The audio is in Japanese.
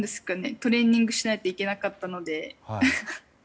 トレーニングしないといけなかったので。